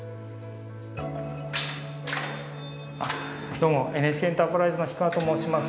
どうもＮＨＫエンタープライズの樋川と申します。